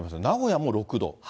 名古屋も６度。